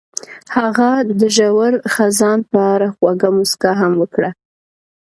هغې د ژور خزان په اړه خوږه موسکا هم وکړه.